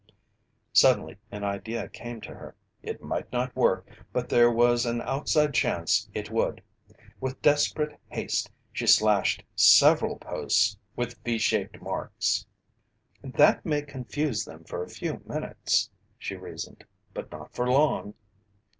Suddenly an idea came to her. It might not work, but there was an outside chance it would. With desperate haste, she slashed several posts with V shaped marks. "That may confuse them for a few minutes," she reasoned. "But not for long."